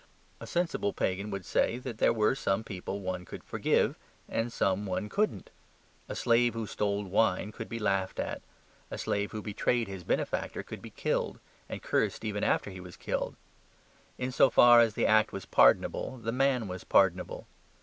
A sensible pagan would say that there were some people one could forgive, and some one couldn't: a slave who stole wine could be laughed at; a slave who betrayed his benefactor could be killed, and cursed even after he was killed. In so far as the act was pardonable, the man was pardonable.